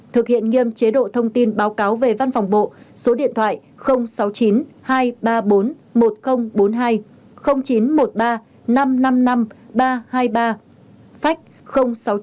thực hiện nghiêm chế độ thông tin báo cáo về văn phòng bộ số điện thoại sáu mươi chín hai trăm ba mươi bốn một nghìn bốn mươi hai chín trăm một mươi ba năm trăm năm mươi năm ba trăm hai mươi ba phách sáu mươi chín hai trăm ba mươi bốn một nghìn bốn mươi bốn